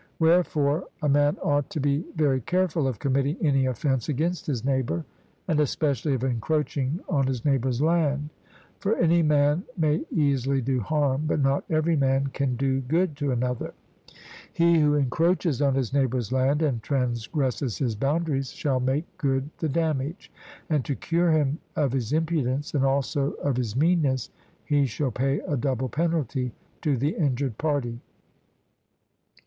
Wherefore a man ought to be very careful of committing any offence against his neighbour, and especially of encroaching on his neighbour's land; for any man may easily do harm, but not every man can do good to another. He who encroaches on his neighbour's land, and transgresses his boundaries, shall make good the damage, and, to cure him of his impudence and also of his meanness, he shall pay a double penalty to the injured party.